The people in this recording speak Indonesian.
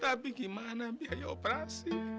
tapi gimana biaya operasi